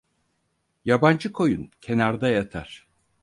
Yabancı koyun kenarda yatar.